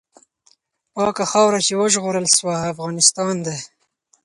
پاکه خاوره چې وژغورل سوه، افغانستان دی.